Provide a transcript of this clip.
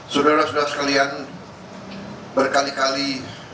sudah sudah sekalian berkali kali